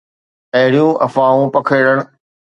اهڙيون افواهون پکيڙڻ